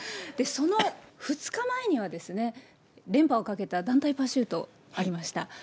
その２日前には、連覇をかけた団体パシュート、ありました。